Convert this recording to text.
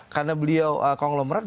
karena beliau konglomerat